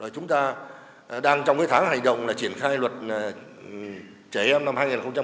chúng ta đang trong tháng hành động triển khai luật trẻ em năm hai nghìn một mươi sáu